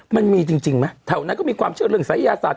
มันมีจริงไหมแถวนั้นก็มีความเชื่อเรื่องศัยยาศาสต